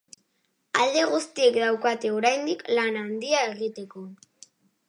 Alde guztiek daukate oraindik lan handia egiteko.